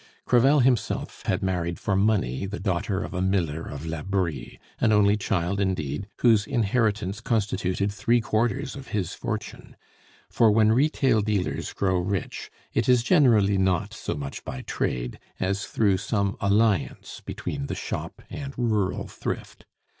Crevel himself had married for money the daughter of a miller of la Brie, an only child indeed, whose inheritance constituted three quarters of his fortune; for when retail dealers grow rich, it is generally not so much by trade as through some alliance between the shop and rural thrift.